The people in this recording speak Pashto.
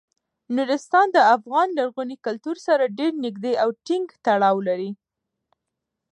نورستان د افغان لرغوني کلتور سره ډیر نږدې او ټینګ تړاو لري.